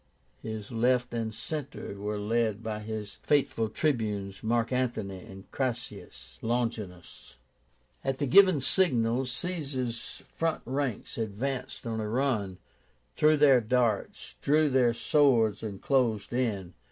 His left and centre were led by his faithful Tribunes, Mark Antony and Cassius Longínus. At the given signal Caesar's front ranks advanced on a run, threw their darts, drew their swords, and closed in.